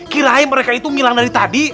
kiraai mereka itu milang dari tadi